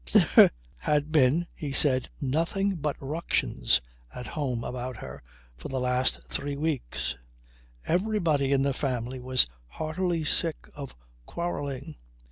There had been, he said, nothing but "ructions" at home about her for the last three weeks. Everybody in the family was heartily sick of quarrelling.